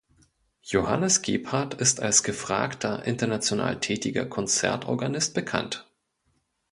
Johannes Gebhardt ist als gefragter, international tätiger Konzertorganist bekannt.